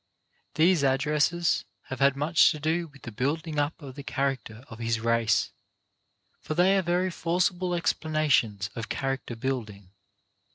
These addresses have had much to do with the building up of the character of his race, for they are very forcible explana tions of character building.